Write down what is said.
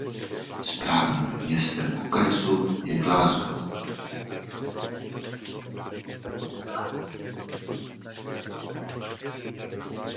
Správním městem okresu je Glasgow.